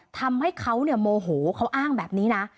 ทำให้เขาโมโหเขาอ้างแบบนี้นะ